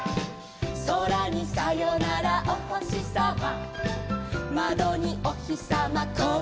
「そらにさよならおほしさま」「まどにおひさまこんにちは」